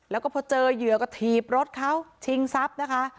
แล้วก็พอเจอเหยื่อก็ถีบรถเขาชิงทรัพย์นะคะ